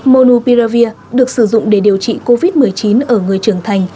monupiravir được sử dụng để điều trị covid một mươi chín ở người trưởng thành